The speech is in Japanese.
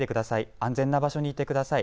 安全な場所にいてください。